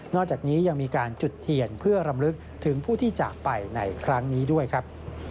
จากนี้ยังมีการจุดเทียนเพื่อรำลึกถึงผู้ที่จากไปในครั้งนี้ด้วยครับ